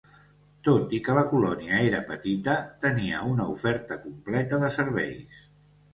Tot i que la colònia era petita, tenia una oferta completa de serveis.